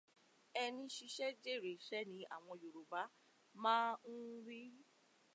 Ẹni ṣiṣẹ́ jàre ìṣẹ́ ni àwọn Yorùbá máa ń wí.